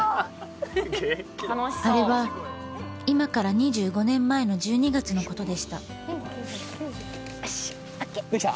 元気だあれは今から２５年前の１２月のことでしたよしＯＫできた？